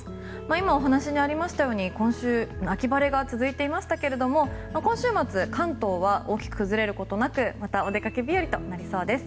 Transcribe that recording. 今お話にありましたように今週、秋晴れが続いていましたが今週末、関東は大きく崩れることなくまたお出かけ日和となりそうです。